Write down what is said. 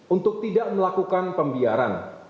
untuk tidak melakukan pembiaran